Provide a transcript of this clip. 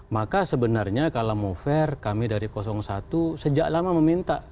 maka sebenarnya kalau mau fair kami dari satu sejak lama meminta